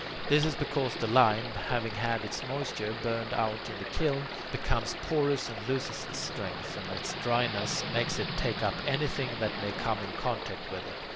This is because the lime, having had its moisture burned out in the kiln, becomes porous and loses its strength, and its dryness makes it take up anything that may come in contact with it.